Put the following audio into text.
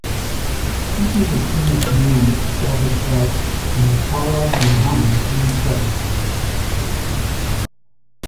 Keeping the chain of command established by Murtala Muhammed in place.